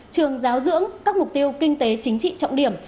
trường giáo dưỡng các mục tiêu kinh tế chính trị trọng điểm